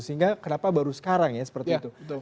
sehingga kenapa baru sekarang ya seperti itu